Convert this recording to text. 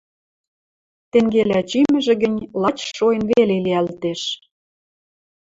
Тенгелӓ чимӹжӹ гӹнь лач шоэн веле лиӓлтеш